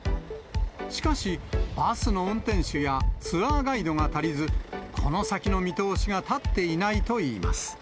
しかし、バスの運転手やツアーガイドが足りず、この先の見通しが立っていないといいます。